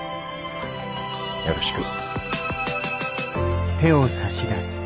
よろしく。